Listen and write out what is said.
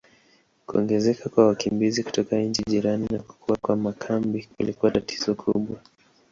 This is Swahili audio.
Kuongezeka kwa wakimbizi kutoka nchi jirani na kukua kwa makambi kulikuwa tatizo kubwa.